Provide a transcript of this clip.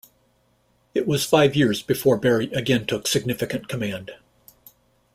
It was five years before Berry again took significant command.